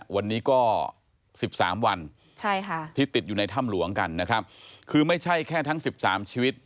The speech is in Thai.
วันนี้ก็๑๓วันที่ติดอยู่ในถ้ำหลวงกันนะครับคือไม่ใช่แค่ทั้ง๑๓ชีวิต